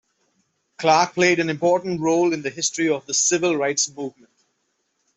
Clark played an important role in the history of the Civil Rights Movement.